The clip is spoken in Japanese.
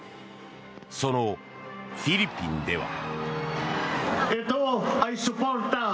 そのフィリピンでは。